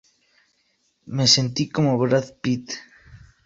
Me sentí como Brad Pitt...